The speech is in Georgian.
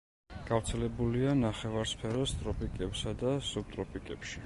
გავრცელებულია ნახევარსფეროს ტროპიკებსა და სუბტროპიკებში.